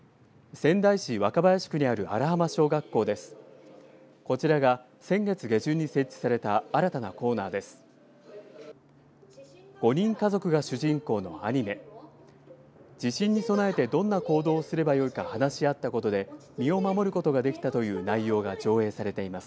仙台市若林区にある荒浜小学校です。